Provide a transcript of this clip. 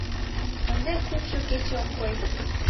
Ынде кумшо кече ок кой.